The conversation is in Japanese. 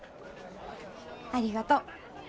ありがとう。